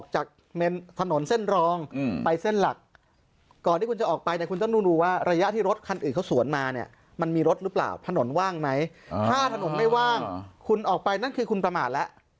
ห้าถนนไม่ว่างไหมห้าถนนไม่ว่างคุณออกไปนั่นคือคุณประมาทแล้ว